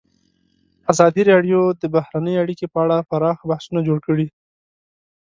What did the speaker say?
ازادي راډیو د بهرنۍ اړیکې په اړه پراخ بحثونه جوړ کړي.